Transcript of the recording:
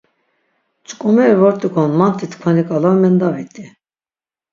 Ç̆k̆omeri vort̆ik̆on manti tkvani k̆ala mendavit̆i.